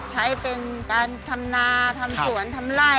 ใช้เป็นการทำนาทำสวนทำไล่